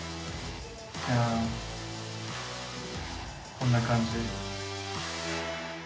こんな感じです。